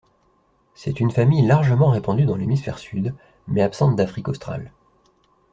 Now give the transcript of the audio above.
C'est une famille largement répandue dans l'hémisphère sud mais absente d'Afrique australe.